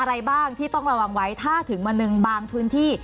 อะไรบ้างที่ต้องระวังไว้ถ้าถึงวันหนึ่งบางพื้นที่